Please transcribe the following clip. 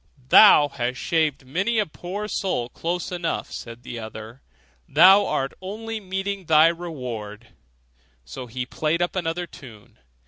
'Thou hast shaved many a poor soul close enough,' said the other; 'thou art only meeting thy reward': so he played up another tune.